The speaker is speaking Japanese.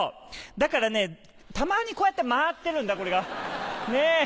だからねたまにこうやって回ってるんだこれがねぇ。